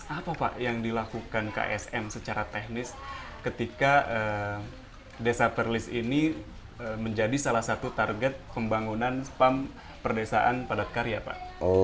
apa pak yang dilakukan ksm secara teknis ketika desa perlis ini menjadi salah satu target pembangunan spam perdesaan padat karya pak